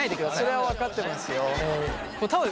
それは分かってますよ。